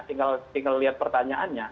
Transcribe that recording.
tinggal lihat pertanyaannya